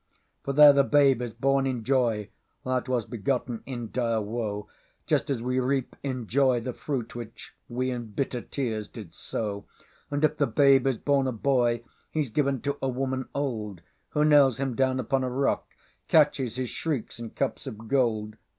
For there the Babe is born in joyThat was begotten in dire woe; Just as we reap in joy the fruitWhich we in bitter tears did sow. And if the Babe is born a boyHe's given to a Woman Old, Who nails him down upon a rock, Catches his shrieks in cups of gold.